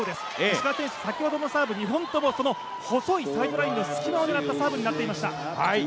石川選手、先ほどのサーブ２本とも細いサイドラインの隙間を狙ったサーブになっていました。